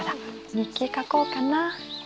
日記書こうかな。